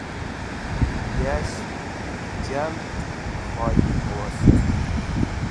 Yash jald khoyim wost.